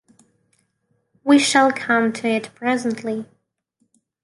We shall come to it presently.